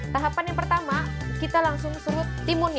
tahapan yang pertama kita langsung serut timunnya